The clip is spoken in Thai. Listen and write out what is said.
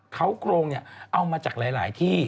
เขากรงเนี่ยเอามาจากหลายที่